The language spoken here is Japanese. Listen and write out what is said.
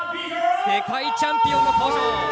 世界チャンピオンの登場！